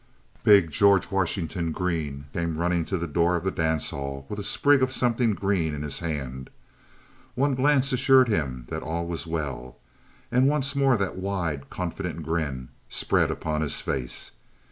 Big George Washington Green came running to the door of the dance hall with a sprig of something green in his hand; one glance assured him that all was well; and once more that wide, confident grin spread upon his face.